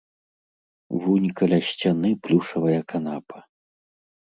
Вунь каля сцяны плюшавая канапа.